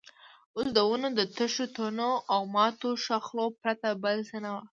اوس د ونو د تشو تنو او ماتو ښاخلو پرته بل څه نه وو.